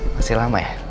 masih lama ya